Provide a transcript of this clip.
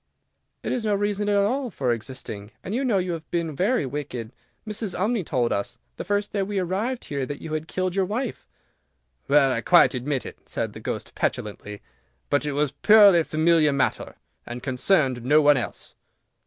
"It is no reason at all for existing, and you know you have been very wicked. Mrs. Umney told us, the first day we arrived here, that you had killed your wife." "Well, I quite admit it," said the Ghost, petulantly, "but it was a purely family matter, and concerned no one else."